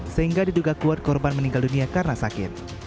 sehingga diduga kuat korban meninggal dunia karena sakit